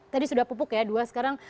tadi sudah pupuk ya dua sekarang